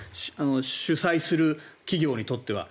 主催する企業にとっては。